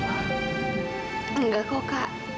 enggak kok kak